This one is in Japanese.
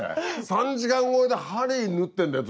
３時間超えで針縫ってんだよ